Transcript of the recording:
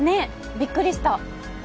びっくりした。